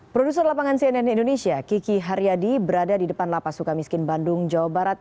produser lapangan cnn indonesia kiki haryadi berada di depan lapas suka miskin bandung jawa barat